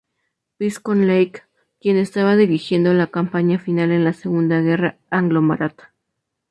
Vizconde Lake, quien estaba dirigiendo la campaña final en la Segunda Guerra Anglo-Maratha.